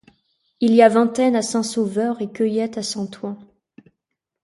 Il y a vingtaine à Saint-Sauveur et cueillette à Saint-Ouen.